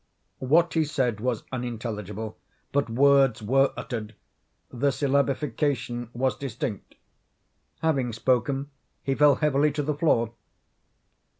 What he said was unintelligible, but words were uttered; the syllabification was distinct. Having spoken, he fell heavily to the floor.